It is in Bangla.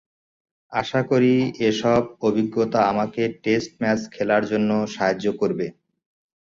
আশা করি, এসব অভিজ্ঞতা আমাকে টেস্ট ম্যাচ খেলার জন্য সাহায্য করবে।